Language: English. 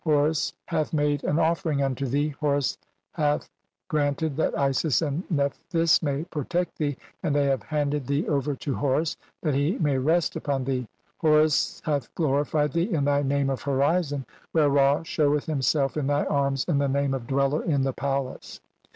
Horus hath made "an offering unto thee, Horus hath granted that Isis and "Nephthys may protect thee and they have handed "thee over to Horus that he may rest upon thee. Horus "hath glorified thee in thy name of 'Horizon' where Ra "sheweth himself in thy arms in thy name of 'Dweller "in the palace'.